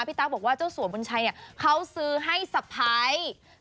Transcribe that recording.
พี่ตั๊คบอกว่าเจ้าสวบุญชัยเขาซื้อให้สะไพร